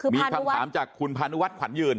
มีคำถามจากคุณพานุวัฒนขวัญยืน